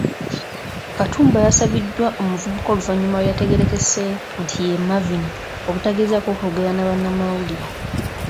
Katumba yasabiddwa omuvubuka oluvannyuma eyategeerekese nti ye Marvin, obutagezaako kwogera na bannamawulire.